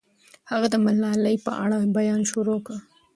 هغه د ملالۍ په اړه بیان شروع کړ.